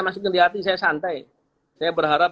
masih ngeri hati saya santai saya berharap